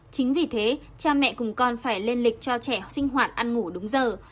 chính vì thế cha mẹ cùng con phải lên lịch cho trẻ sinh hoạt ăn ngủ đúng giờ